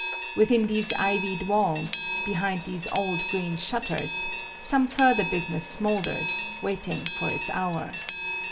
Within these ivied walls, behind these old green shutters, some further business smoulders, waiting for its hour.